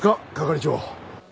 係長。